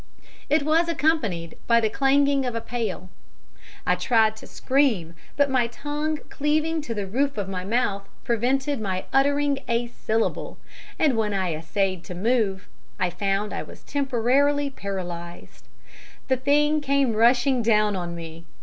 It was accompanied by the clanging of a pail. I tried to scream, but my tongue cleaving to the roof of my mouth prevented my uttering a syllable, and when I essayed to move, I found I was temporarily paralysed. The thing came rushing down on me.